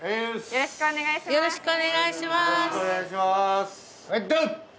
よろしくお願いします